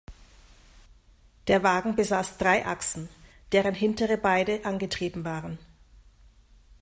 Der Wagen besaß drei Achsen, deren hintere beide angetrieben waren.